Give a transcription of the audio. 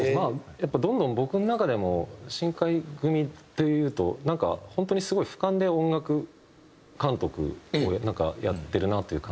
やっぱどんどん僕の中でも新海組というとなんか本当にすごい俯瞰で音楽監督をやってるなという感じがして。